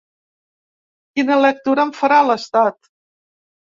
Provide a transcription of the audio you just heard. Quina lectura en farà l’estat?